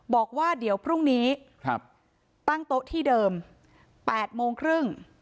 บอกว่าเดี๋ยวพรุ่งนี้ตั้งโต๊ะที่เดิม๘โมงครึ่ง